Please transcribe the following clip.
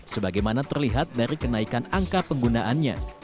sebagaimana terlihat dari kenaikan angka penggunaannya